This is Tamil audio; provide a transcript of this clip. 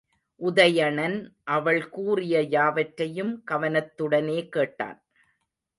உதயணன் அவள் கூறிய யாவற்றையும் கவனத்துடனே கேட்டான்.